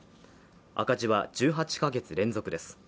赤字は１８か月連続です。